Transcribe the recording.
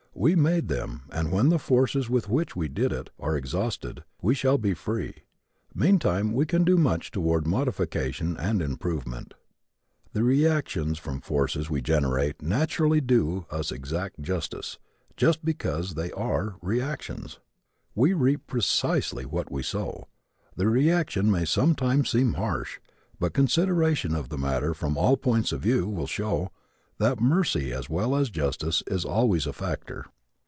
We made them and, when the forces with which we did it are exhausted, we shall be free. Meantime we can do much toward modification and improvement. The reactions from the forces we generate naturally do us exact justice just because they are reactions. We reap precisely what we sow. The reaction may sometimes seem harsh but consideration of the matter from all points of view will show that mercy as well as justice is always a factor.